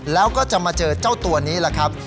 แล้วก็จะมาเจอเจ้าตัวนี้แหละครับ